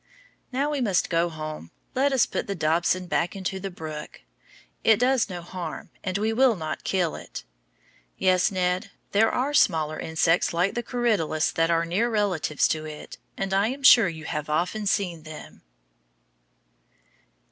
Now, we must go home. Let us put the dobson back into the brook. It does no harm, and we will not kill it. Yes, Ned, there are smaller insects like the corydalus that are near relatives to it, and I am sure you have often seen them.